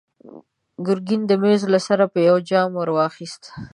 ګرګين د مېز له سره يو جام ور واخيست.